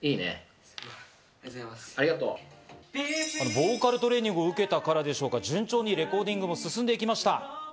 ボーカルトレーニングを受けたからでしょうか、順調にレコーディングも進んでいきました。